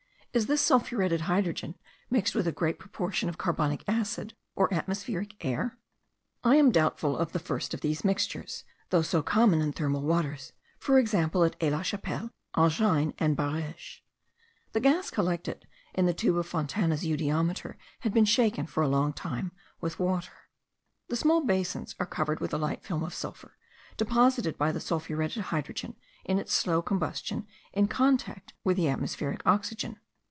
Is this sulphuretted hydrogen mixed with a great proportion of carbonic acid or atmospheric air? I am doubtful of the first of these mixtures, though so common in thermal waters; for example at Aix la Chapelle, Enghien, and Bareges. The gas collected in the tube of Fontana's eudiometer had been shaken for a long time with water. The small basins are covered with a light film of sulphur, deposited by the sulphuretted hydrogen in its slow combustion in contact with the atmospheric oxygen.